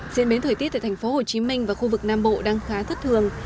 diễn biến thời tiết tại tp hcm và khu vực nam bộ đang khá thất thường